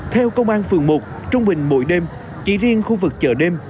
theo công an phường một trung bình mỗi đêm chỉ riêng khu vực chợ đêm